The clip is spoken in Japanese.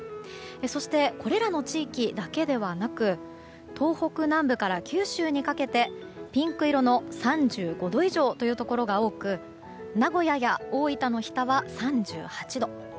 そしてこれらの地域だけではなく東北南部から九州にかけてピンク色の３５度以上というところが多く名古屋や大分の日田は３８度。